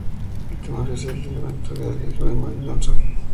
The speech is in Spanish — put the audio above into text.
El tema oficial del evento es Deadly Game de Jim Johnston.